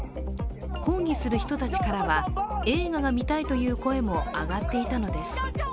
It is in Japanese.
抗議する人たちは、映画が見たいという声も上がっていたのです。